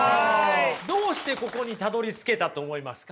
どうしてここにたどりつけたと思いますか？